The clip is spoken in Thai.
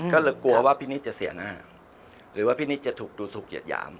ก็เลยกลัวว่าพี่นิดจะเสียหน้าหรือว่าพี่นิดจะถูกดูถูกเหยียดหยาม